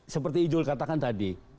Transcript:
seperti ijul katakan tadi